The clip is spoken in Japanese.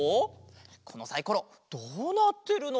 このサイコロどうなってるの？